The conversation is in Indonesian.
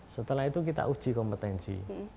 setelah itu kita uji kompetensi